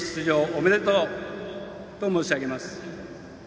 おめでとうと申し上げます。